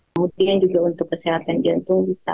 kemudian juga untuk kesehatan jantung bisa